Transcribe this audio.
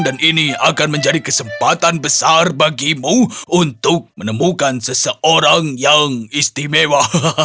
dan ini akan menjadi kesempatan besar bagimu untuk menemukan seseorang yang istimewa